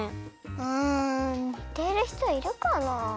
うんにてるひといるかな？